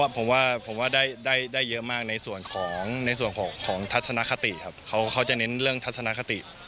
ผมว่าผมว่าได้เยอะมากในส่วนของทัศนคติครับเขาจะเน้นเรื่องทัศนคติ